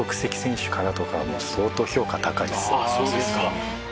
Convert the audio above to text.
ああそうですか。